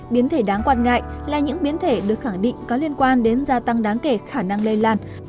biến thể đáng quan ngại là những biến thể được khẳng định có liên quan đến gia tăng đáng kể khả năng lây lan